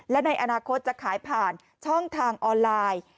และในอนาคตจะขายผ่านช่องทางออนไลน์